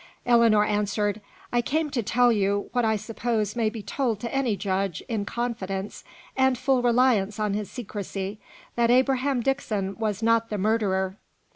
Ellinor answered: "I came to tell you, what I suppose may be told to any judge, in confidence and full reliance on his secrecy, that Abraham Dixon was not the murderer."